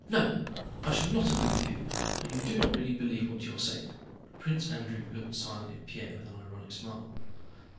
No, I shall not agree with you, and you do not really believe what you are saying." Prince Andrew looked silently at Pierre with an ironic smile.